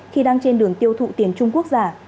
khi đang trên đường tiêu thụ tiền trung quốc giả